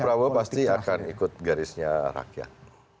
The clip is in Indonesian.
pak prabowo pasti akan ikut garisnya rakyat